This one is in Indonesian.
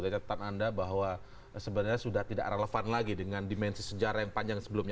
dari catatan anda bahwa sebenarnya sudah tidak relevan lagi dengan dimensi sejarah yang panjang sebelumnya